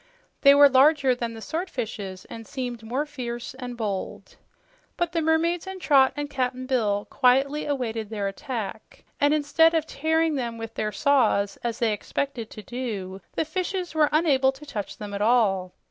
They were larger than the swordfishes and seemed more fierce and bold. But the mermaids and Trot and Cap'n Bill quietly awaited their attack, and instead of tearing them with their saws as they expected to do, the fishes were unable to touch them at all.